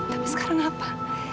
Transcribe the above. tapi sekarang apa